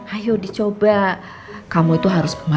ayo dicoba kamu itu harus memahami